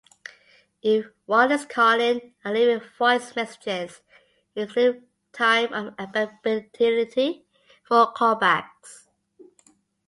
If one is calling and leaving voice messages, include time of availability for callbacks.